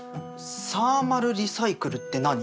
サーマルリサイクルって何？